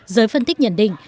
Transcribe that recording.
giới phân tích nhận định